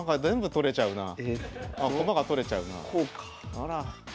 あら。